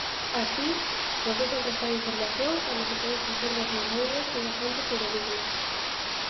Así, por que contrastar información cando se pode facer dos murmurios unha fonte fidedigna?